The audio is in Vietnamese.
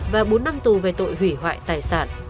và bốn năm tù về tội hủy hoại tài sản